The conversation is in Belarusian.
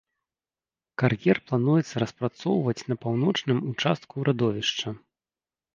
Кар'ер плануецца распрацоўваць на паўночным участку радовішча.